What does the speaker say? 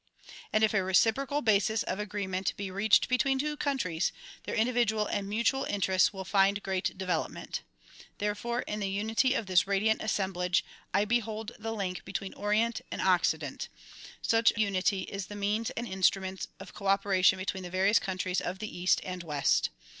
And if a reciprocal basis of agreement b?, reached between two countries their individual and mutual inter ests will find great development. Therefore in the unity of this 32 DISCOURSES DELIVERED IN WASHINGTON 33 radiant assemblage I behold the link between Orient and Occident. Such unity is tlie means and instrument of cooperation between the various countries of the east and west.